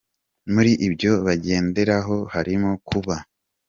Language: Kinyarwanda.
Muri ibyo bagenderaho harimo kuba.